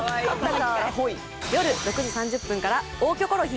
今夜６時３０分から『大キョコロヒー』。